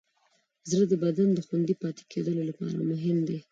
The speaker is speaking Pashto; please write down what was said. زړه د بدن د خوندي پاتې کېدو لپاره مهم دی.